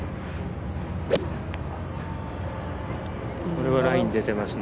これはライン、出てますね。